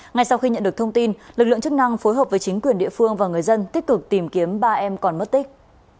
ngay sau khi nhận được thông tin lực lượng chức năng phối hợp với chính quyền địa phương và người dân tích cực tìm kiếm ba em còn mất tích